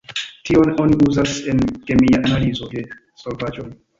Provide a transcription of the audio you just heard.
Tion oni uzas en kemia analizo de solvaĵoj.